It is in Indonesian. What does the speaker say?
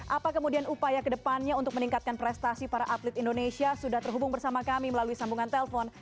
apa kemudian upaya kedepannya untuk meningkatkan prestasi para atlet indonesia sudah terhubung bersama kami melalui sambungan telpon